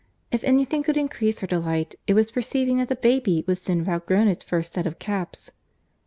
If any thing could increase her delight, it was perceiving that the baby would soon have outgrown its first set of caps.